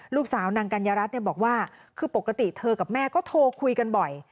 ลูกสาวนางกัญญารัฐบอกว่าคือปกติเธอกับแม่ก็โทรคุยกันบ่อย